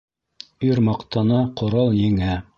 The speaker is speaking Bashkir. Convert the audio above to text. Ир маҡтана, ҡорал еңә.